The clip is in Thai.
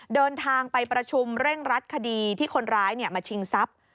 เดินทางไปประชุมเร่งรัดคดีที่คนร้ายมาชิงทรัพย์